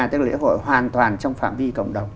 tức là lễ hội hoàn toàn trong phạm vi cộng đồng